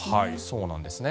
そうなんですね。